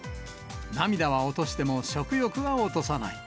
涙は落としても食欲は落とさない。